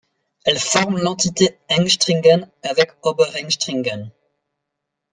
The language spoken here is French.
Elle forme l'entité Engstringen avec Oberengstringen.